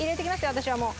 私はもう。